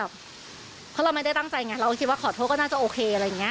เพราะเราไม่ได้ตั้งใจไงเราก็คิดว่าขอโทษก็น่าจะโอเคอะไรอย่างนี้